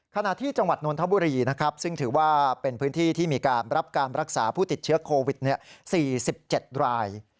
ขณะที่จังหวัดนนทบุรีนะครับซึ่งถือว่าเป็นพื้นที่ที่มีการรับการรักษาผู้ติดเชื้อโควิด๔๗ราย